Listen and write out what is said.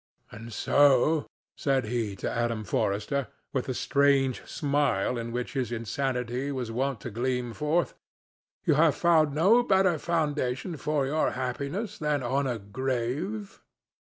"And so," said he to Adam Forrester, with the strange smile in which his insanity was wont to gleam forth, "you have found no better foundation for your happiness than on a grave?"